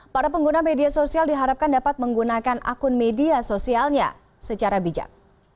para pengguna media sosial diharapkan dapat menggunakan akun media sosialnya secara bijak